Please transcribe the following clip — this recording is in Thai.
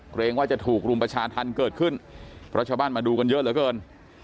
เกรงว่าจะถูกรุมประชาธรรมเกิดขึ้นเพราะชาวบ้านมาดูกันเยอะเหลือเกิน